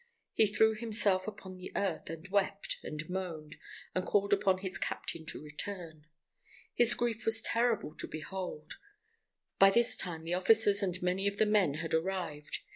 He threw himself upon the earth, and wept and moaned, and called upon his captain to return. His grief was terrible to behold. By this time the officers and many of the men had arrived.